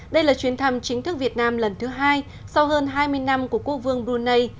đây là chuyến thăm chính thức việt nam lần thứ hai sau hơn hai mươi năm của quốc vương brunei